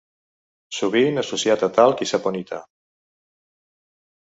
Sovint associat a talc i saponita.